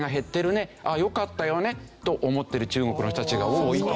「ああよかったよね」と思ってる中国の人たちが多いと。